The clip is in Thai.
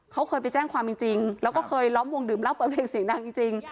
เขาเคยไปแจ้งความจริงแล้วก็เคยล้อมวงดื่มเหล้าเปิดเพลงเสียงดังจริง